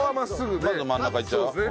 まず真ん中いっちゃうよ。